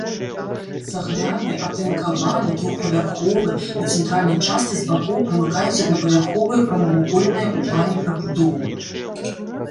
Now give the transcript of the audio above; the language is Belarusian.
Цагляны, атынкаваны, двух-павярховы, у цэнтральнай частцы, з бакоў прымыкаюць аднапавярховыя прамавугольныя ў плане прыбудовы.